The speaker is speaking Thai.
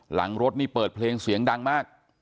หลังรถนี่เปิดเพลงเสียงดังมาก